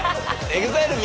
ＥＸＩＬＥ